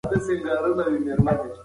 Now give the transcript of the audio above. که پلار یې ښه شي، دوی به ډېر خوشحاله شي.